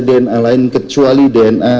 dna lain kecuali dna